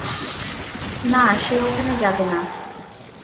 না, সে ওখানে যাবে না।